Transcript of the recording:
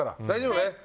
大丈夫ね？